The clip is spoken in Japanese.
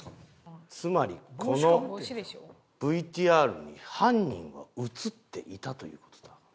つまりこのＶＴＲに犯人は映っていたという事だ。